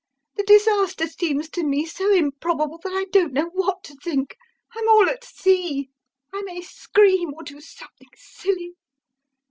The disaster seems to me so improbable that I don't know what to think, I'm all at sea... I may scream... or do something silly.